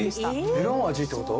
メロン味ってこと？